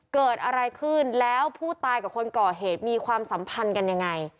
เกิดอะไรขึ้นแล้วผู้ตายกับคนก่อเหตุมีความสัมพันธ์กันยังไง